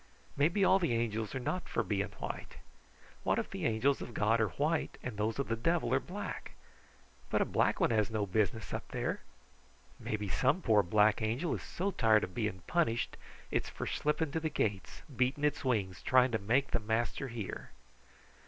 Maybe all the angels are not for being white. What if the angels of God are white and those of the devil are black? But a black one has no business up there. Maybe some poor black angel is so tired of being punished it's for slipping to the gates, beating its wings trying to make the Master hear!"